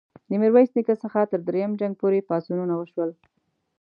د میرویس نیکه څخه تر دریم جنګ پوري پاڅونونه وشول.